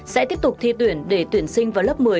sẽ tiếp tục thi tuyển để tuyển sinh vào lớp một mươi